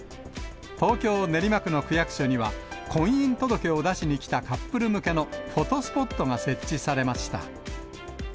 東京・練馬区の区役所には、婚姻届を出しに来たカップル向けのフォトスポットが設置されました。